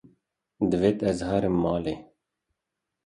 Divêt ez herim malê